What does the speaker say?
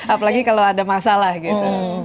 apalagi kalau ada masalah gitu